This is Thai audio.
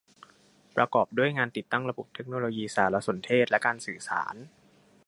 ประกอบด้วยงานติดตั้งระบบเทคโนโลยีสารสนเทศและการสื่อสาร